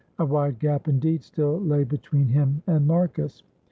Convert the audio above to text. A wide gap, indeed, still lay between him and Marcus.